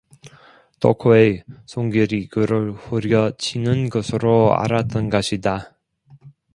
덕호의 손길이 그를 후려치는 것으로 알았던 것이다.